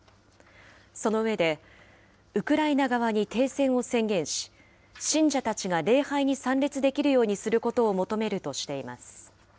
その上で、ウクライナ側に停戦を宣言し、信者たちが礼拝に参列できるようにすることを求めるとしています。